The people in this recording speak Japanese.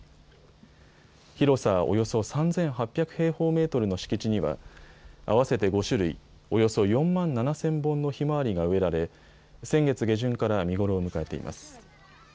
広さおよそ３８００平方メートルの敷地には合わせて５種類、およそ４万７０００本のひまわりが植えられ先月下旬から見頃を迎えています。